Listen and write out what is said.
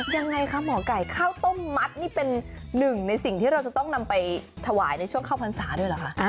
ยังไงคะหมอไก่ข้าวต้มมัดนี่เป็นหนึ่งในสิ่งที่เราจะต้องนำไปถวายในช่วงเข้าพรรษาด้วยเหรอคะ